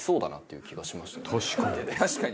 確かに。